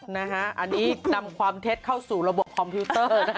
อันนี้นำความเท็จเข้าสู่ระบบคอมพิวเตอร์